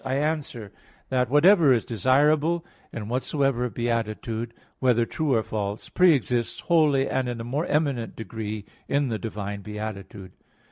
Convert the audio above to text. I answer that, Whatever is desirable in whatsoever beatitude, whether true or false, pre exists wholly and in a more eminent degree in the divine beatitude.